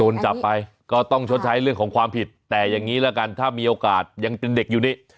โดนจับไปก็ต้องชดใช้เรื่องของความผิดแต่อย่างนี้ละกันถ้ามีโอกาสยังเป็นเด็กอยู่นี่